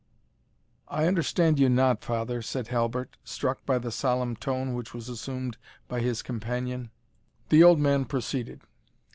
"I understand you not, father," said Halbert, struck by the solemn tone which was assumed by his companion. The old man proceeded.